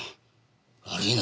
悪いな。